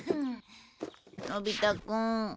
のび太くん。